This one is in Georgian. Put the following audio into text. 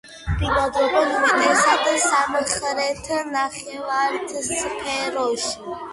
ბინადრობენ უმეტესად სამხრეთ ნახევარსფეროში.